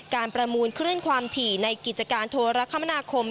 ประมูลคลื่นความถี่ในกิจการโทรคมนาคม